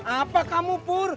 apa kamu pur